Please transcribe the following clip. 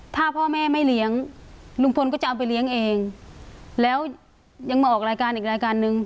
ถ้าพ่อแม่ไม่เลี้ยงลุงพลก็จะเอาไปเลี้ยงเองแล้วยังมาออกรายการอีกรายการนึง